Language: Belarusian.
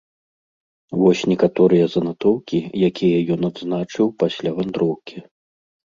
Вось некаторыя занатоўкі, якія ён адзначыў пасля вандроўкі.